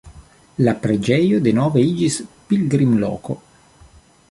La preĝejo denove iĝis pilgrimloko.